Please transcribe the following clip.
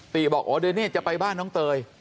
บอกอ๋อเดี๋ยวนี้จะไปบ้านน้องเตย